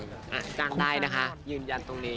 จ้างได้นะคะยืนยันตรงนี้